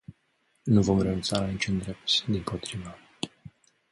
Nu vom renunța la nici un drept, dimpotrivă.